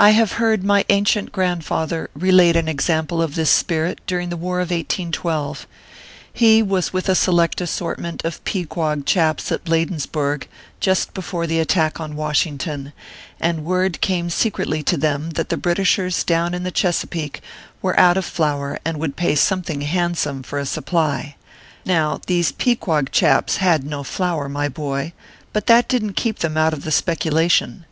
I have heard my ancient grandfather relate an example of this spirit during the war of 1812. He was with a select assortment of Pequog chaps at Bladensburg, just before the attack on Washington, and word came secretly to them that the Britishers down in the Chesapeake were out of flour 3 and would pay something handsome for a sup ply. Now, these Pequog chaps had no flour, my boy ; but that didn t keep them out of the specula tion.